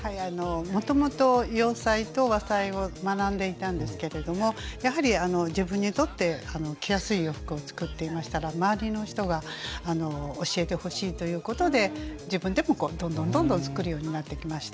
もともと洋裁と和裁を学んでいたんですけれどもやはり自分にとって着やすい洋服を作っていましたら周りの人が教えてほしいということで自分でもどんどんどんどん作るようになってきました。